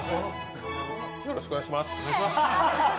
よろしくお願いします！